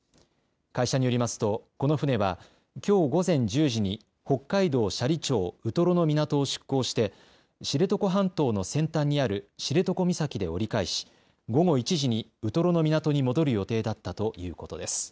会社によりますと、この船はきょう午前１０時に北海道斜里町ウトロの港を出航して、知床半島の先端にある知床岬で折り返し、午後１時にウトロの港に戻る予定だったということです。